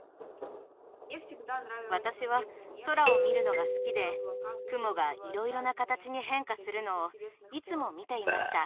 私は空を見るのが好きで雲がいろいろな形に変化するのをいつも見ていました。